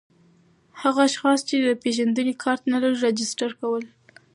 هغه اشخاص چي د پېژندني کارت نلري راجستر کول